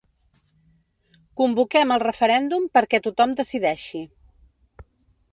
Convoquem el referèndum perquè tothom decideixi.